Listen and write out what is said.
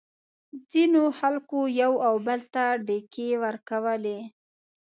ځینو خلکو یو او بل ته ډیکې ورکولې.